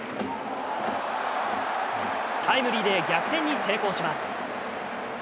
タイムリーで逆転に成功します。